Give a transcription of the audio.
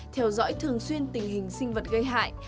theo dõi thường xuyên tình hình sinh vật gây hại